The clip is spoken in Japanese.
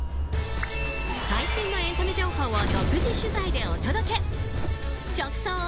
最新のエンタメ情報を独自取材でお届け直送！